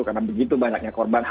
karena begitu banyaknya korbannya